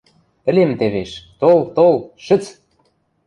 Ӹлем тевеш... тол, тол, шӹц!..